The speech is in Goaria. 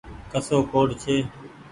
ڪسو ڪوڊ ڇي۔